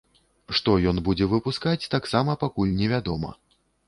Што ён будзе выпускаць, таксама пакуль не вядома.